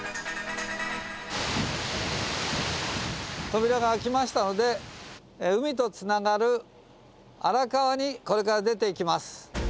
扉が開きましたので海とつながる荒川にこれから出ていきます。